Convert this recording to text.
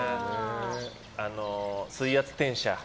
水圧転写。